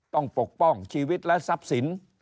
ปกป้องชีวิตและทรัพย์สิน